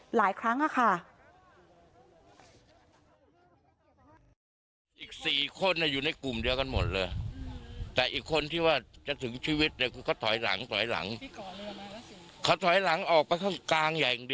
หลายครั้งค่ะ